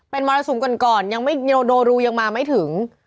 เป็นมรสุมก่อนยังไม่โดรูยังมาไม่ถึง